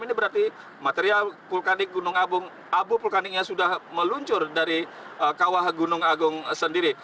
ini berarti material vulkanik gunung abu vulkaniknya sudah meluncur dari kawah gunung agung sendiri